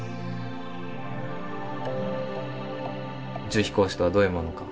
宇宙飛行士とはどういうものか。